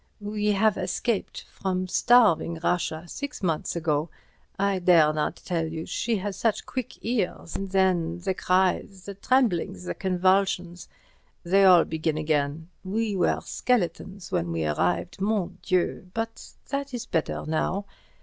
"We have escaped—from starving Russia—six months ago. I dare not tell you—she has such quick ears, and then, the cries, the tremblings, the convulsions—they all begin again. We were skeletons when we arrived—mon Dieu!—but that is better now.